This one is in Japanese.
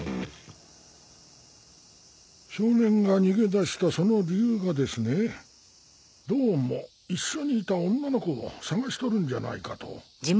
少年が逃げ出したその理由がですねどうも一緒にいた女の子を捜しとるんじゃないかと。